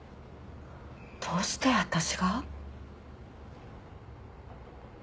どうして私が？